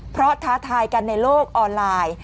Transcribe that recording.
เพราะท้าทายกันในโลกออนไลน์